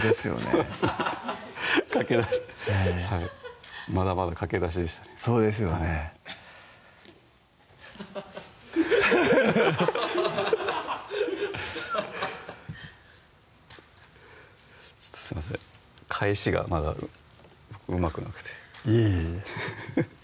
そうですねかけだしまだまだかけだしでしたねそうですよねちょっとすいません返しがまだうまくなくていえいえいえフフフフッ